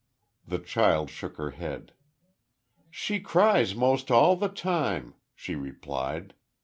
The child shook her head. "She cries most all the time," she replied.